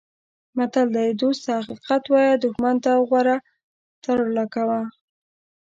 متل دی: دوست ته حقیقت وایه دوښمن ته غوره ترړه کوه.